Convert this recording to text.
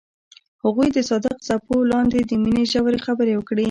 هغوی د صادق څپو لاندې د مینې ژورې خبرې وکړې.